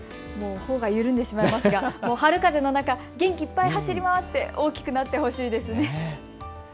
ほほが緩んでしまいますが春風の中、元気いっぱい走り回って大きくなってほしいですね。